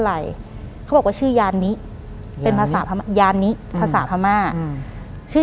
หลังจากนั้นเราไม่ได้คุยกันนะคะเดินเข้าบ้านอืม